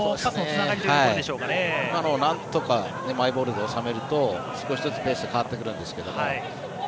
なんとかマイボールで収めると少しずつペースが変わってくるんですけど。